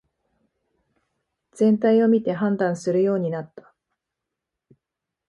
全体を見て判断するようになった